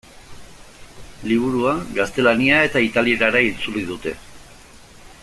Liburua gaztelania eta italierara itzuli dute.